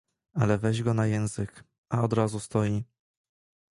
Ale weź go na język, a od razu stoi.